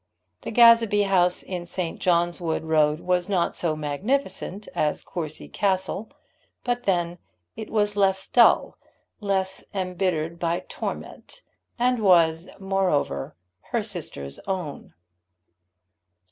The Gazebee house in St. John's Wood Road was not so magnificent as Courcy Castle; but then it was less dull, less embittered by torment, and was moreover her sister's own.